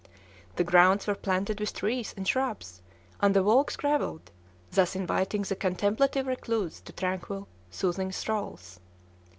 The grounds were planted with trees and shrubs, and the walks gravelled, thus inviting the contemplative recluse to tranquil, soothing strolls.